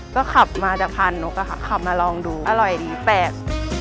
ก็ขับมาจากพานนกอะค่ะขับมาลองดูอร่อยดีแปลก